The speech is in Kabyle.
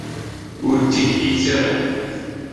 Ur ttihiyet ara.